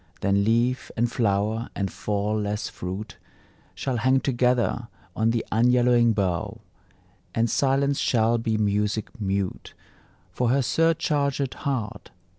Then leaf, and flower, and fall less fruit Shall hang together on the unyellowing bough; And silence shall be Music mute For her surchargèd heart.